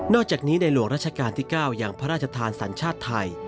อกจากนี้ในหลวงราชการที่๙อย่างพระราชทานสัญชาติไทย